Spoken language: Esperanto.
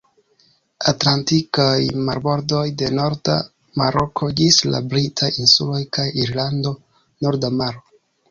Atlantikaj marbordoj, de norda Maroko ĝis la britaj insuloj kaj Irlando; Norda Maro.